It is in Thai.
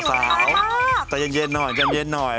สาวแต่ยังเย็นหน่อย